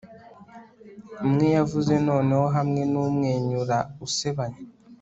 Umwe yavuze noneho hamwe numwenyura usebanya